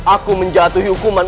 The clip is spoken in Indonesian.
aku menjatuhi hukuman